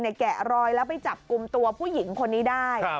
แกะรอยแล้วไปจับกลุ่มตัวผู้หญิงคนนี้ได้